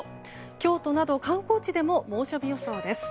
京都など観光地でも猛暑日予想です。